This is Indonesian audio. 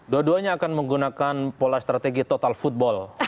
dua duanya akan menggunakan pola strategi total football